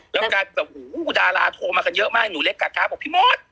แล้วก็แบบหูดาราโทรมากันเยอะมากหนูเล็กกะบอกพี่มด